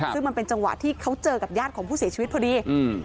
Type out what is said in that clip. ซึ่งมันเป็นจังหวะที่เขาเจอกับญาติของผู้เสียชีวิตพอดีอืม